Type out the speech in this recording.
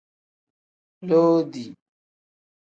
Loodi.